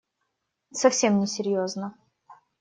Совсем не серьезно.